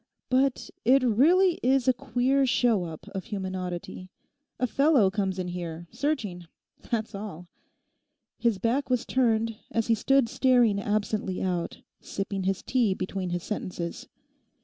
'But it really is a queer show up of human oddity. A fellow comes in here, searching; that's all.' His back was turned, as he stood staring absently out, sipping his tea between his sentences.